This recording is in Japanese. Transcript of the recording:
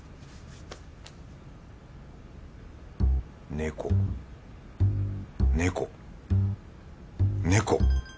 猫猫猫。